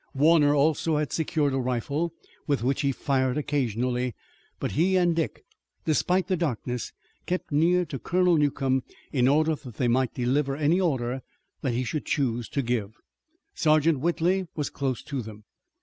Warner also had secured a rifle, with which he fired occasionally, but he and Dick, despite the darkness, kept near to Colonel Newcomb in order that they might deliver any orders that he should choose to give. Sergeant Whitley was close to them.